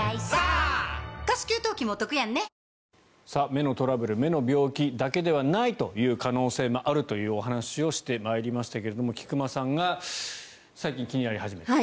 目のトラブル目の病気だけではないという可能性があるという話をしてまいりましたが菊間さんが最近気になり始めたと。